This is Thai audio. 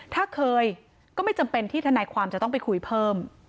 ถ้าเคยก็ไม่จำเป็นที่ทนายความจะต้องไปคุยเพิ่ม